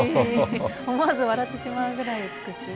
思わず笑ってしまうぐらい美しい。